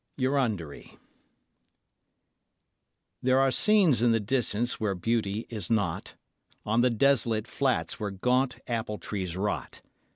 Eurunderee There are scenes in the distance where beauty is not, On the desolate flats where gaunt appletrees rot.